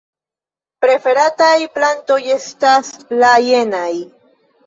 Preferataj plantoj estas la jenaj.